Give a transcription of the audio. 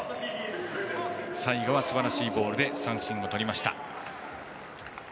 最後はすばらしいボールで三振をとりました。